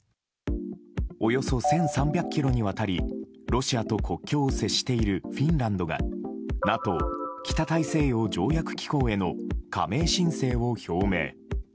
およそ１３００ｋｍにわたりロシアと国境を接しているフィンランドがＮＡＴＯ・北大西洋条約機構への加盟申請を表明。